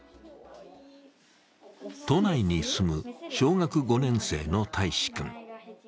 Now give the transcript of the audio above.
都内に住む小学５年生の泰士君。